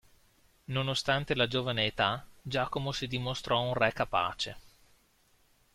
Nonostante la giovane età Giacomo si dimostrò un re capace.